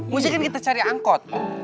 mungkin kita cari angkot